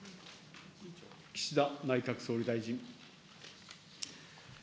岸田内閣総理大臣。